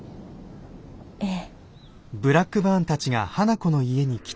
ええ。